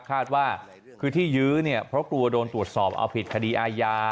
คาดว่าคือที่ยื้อเนี่ยเพราะกลัวโดนตรวจสอบเอาผิดคดีอาญา